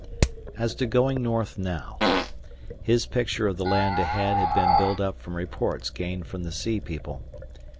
As to going north now His picture of the land ahead had been built up from reports gained from the sea people.